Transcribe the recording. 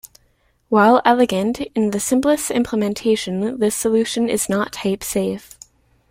While elegant, in the simplest implementation this solution is not type-safe.